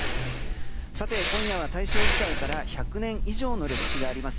さて今夜は大正時代から１００年以上の歴史があります